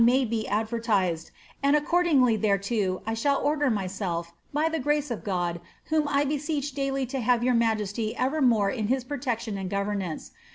aj b« ftdrertiafld, and vocording thereto I shall order myself, by the grace of God, whom I beseech daily to have your majesty evermore in his protection and governance.